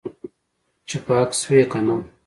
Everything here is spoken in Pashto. چې پاک شوی که نه.